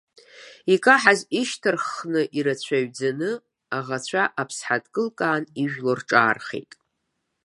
Икаҳаз ишьҭарххны ирацәаҩӡаны аӷацәа аԥсҳа дкылкаан ижәло рҿаархеит.